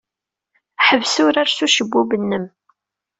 Ḥbes urar s ucebbub-nnem.